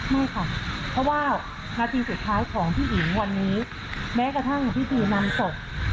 ไม่ค่ะเพราะว่านาทีสุดท้ายของผู้หญิงวันนี้แม้กระทั่งพิธีนำศพ